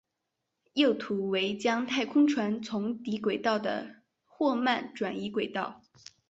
右图为将太空船从低轨道的霍曼转移轨道。